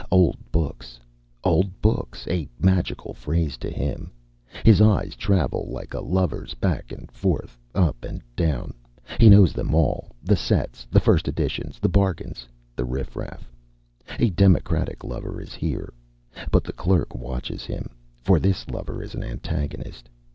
Old books old books, a magical phrase to him. His eyes travel like a lover's back and forth, up and down. He knows them all the sets, the first editions, the bargains, the riff raff. A democratic lover is here. But the clerk watches him. For this lover is an antagonist.